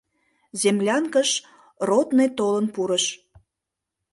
Землянкыш ротный толын пурыш.